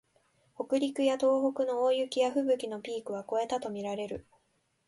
北陸や東北の大雪やふぶきのピークは越えたとみられる